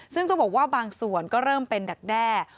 ซึ่งต้องบอกว่าบางส่วนก็เริ่มเป็นดักแด้